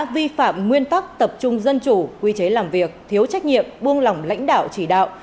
vi phạm nguyên tắc tập trung dân chủ quy chế làm việc thiếu trách nhiệm buông lỏng lãnh đạo chỉ đạo